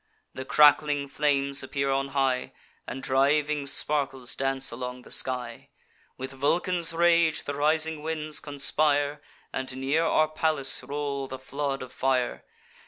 The crackling flames appear on high. And driving sparkles dance along the sky. With Vulcan's rage the rising winds conspire, And near our palace roll the flood of fire.